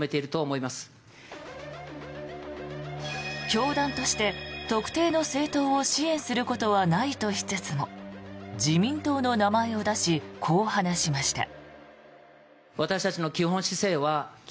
教団として特定の政党を支援することはないとしつつも自民党の名前を出しこう話しました。